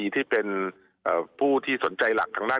ที่เป็นผู้ที่สนใจหลักทางด้าน